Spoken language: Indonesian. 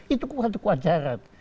itu bukan kewajaran